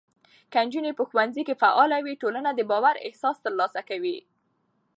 که نجونې په ښوونځي کې فعاله وي، ټولنه د باور احساس ترلاسه کوي.